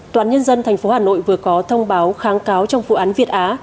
tòa án nhân dân tp hà nội vừa có thông báo kháng cáo trong vụ án việt á